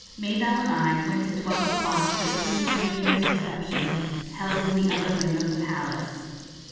Mabelle and I went at twelve o'clock to the Queen's New Year's reception, held in the other wing of the palace.